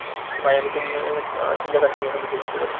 তাই, আমি তোমার চিন্তা আর কাজকর্ম সম্পর্কে বুঝতে পারি।